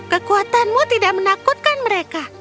kekuatanmu tidak menakutkan mereka